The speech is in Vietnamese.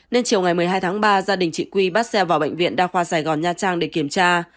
nên chiều ngày một mươi hai tháng ba gia đình chị quy bắt xe vào bệnh viện đa khoa sài gòn nha trang để kiểm tra